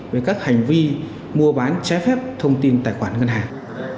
về các hành vi mua bán trái phép thông tin tài khoản ngân hàng